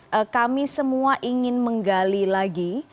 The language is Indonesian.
nah kami semua ingin menggali lagi